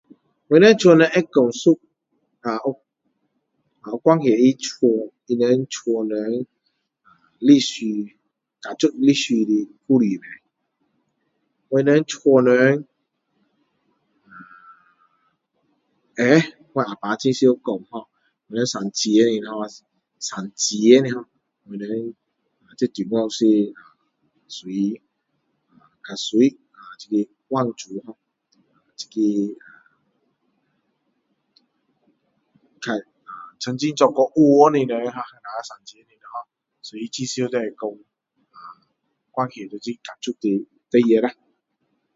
我们家会多数有关系的家他们家里人历史家族历史故事我们家里人呃会我啊爸很常讲hor我们省钱省钱我们要怎样是属于比较属于曾经做过王的人hor呃关系到 我们姓钱的人所以很常会讲这个家族的事情啦